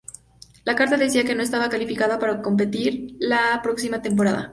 La carta decía que no estaba calificada para competir la próxima temporada.